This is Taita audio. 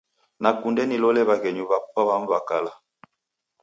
Nakunde nilole w'aghenyu w'amu w'apo w'a kala.